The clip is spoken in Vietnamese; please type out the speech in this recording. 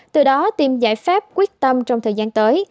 từ đó tìm giải pháp quyết tâm trong thời gian tới